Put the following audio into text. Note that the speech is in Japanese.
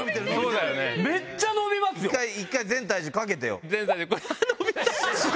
めっちゃ伸びますよ！